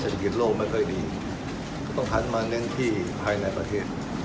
เศรษฐกิจของเราอาจจะดีขึ้นหรือว่าอาจารย์ประเมินไหลมาต่อไปด้วยหรือ